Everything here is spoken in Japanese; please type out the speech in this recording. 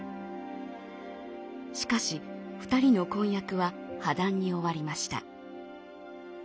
しかし２人の婚約は破談に終わりました。